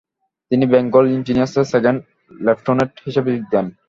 তিনি বেঙ্গল ইঞ্জিনিয়ার্সে second lieutenant হিসেবে যোগ দেন।